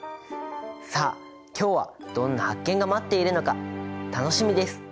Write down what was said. さあ今日はどんな発見が待っているのか楽しみです。